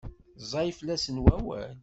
Ẓẓay fell-asen wawal?